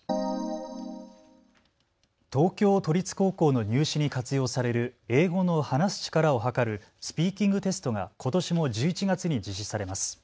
東京都立高校の入試に活用される英語の話す力をはかるスピーキングテストがことしも１１月に実施されます。